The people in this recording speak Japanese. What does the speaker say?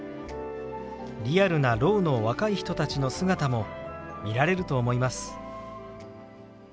リアルなろうの若い人たちの姿も見られると思います。